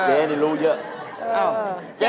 เจ๊นี่รู้เยอะ